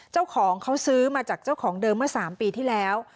เจ้าของเขาซื้อมาจากเจ้าของเดิมเมื่อ๓ปีที่แล้ว